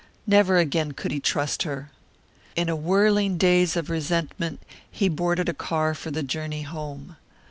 Never again could he trust her. In a whirling daze of resentment he boarded a car for the journey home.